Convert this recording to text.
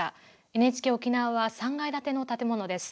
ＮＨＫ沖縄は３階建ての建物です。